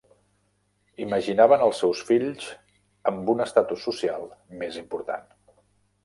Imaginaven els seus fills amb un estatus social més important.